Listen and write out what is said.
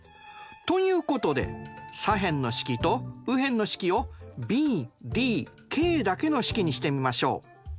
ということで左辺の式と右辺の式をｂｄｋだけの式にしてみましょう。